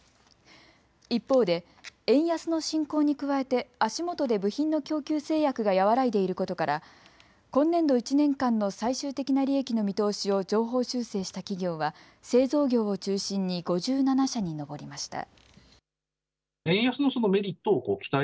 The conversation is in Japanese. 一方で円安の進行に加えて足元で部品の供給制約が和らいでいることから今年度１年間の最終的な利益の見通しを上方修正した企業は製造業を中心に５７社に上りました。